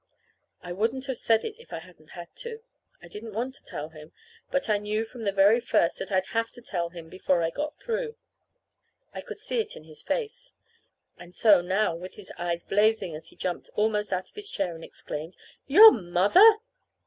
I wouldn't have said it if I hadn't had to. I didn't want to tell him, but I knew from the very first that I'd have to tell him before I got through. I could see it in his face. And so, now, with his eyes blazing as he jumped almost out of his chair and exclaimed, "Your mother!"